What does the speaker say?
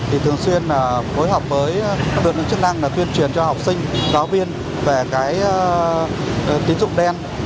thì thường xuyên phối hợp với các đơn vị chức năng tuyên truyền cho học sinh giáo viên về tính dụng đen